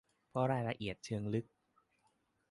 เพราะรายละเอียดเชิงลึก